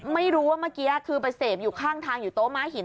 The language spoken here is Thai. ไม่รู้ว่าเมื่อกี้คือไปเสพอยู่ข้างทางอยู่โต๊ม้าหิน